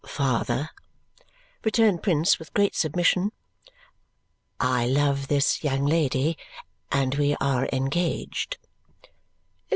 "Father," returned Prince with great submission, "I love this young lady, and we are engaged."